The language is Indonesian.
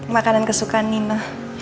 makanan kesukaan nino